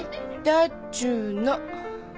だっちゅーの。